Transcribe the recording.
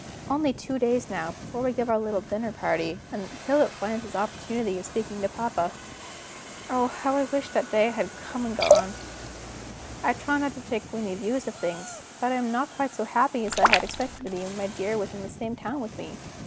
Only two days now, before we give our little dinner party, and Philip finds his opportunity of speaking to papa. Oh, how I wish that day had come and gone! I try not to take gloomy views of things; but I am not quite so happy as I had expected to be when my dear was in the same town with me.